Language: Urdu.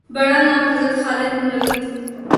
بڑا نام حضرت خالد بن ولید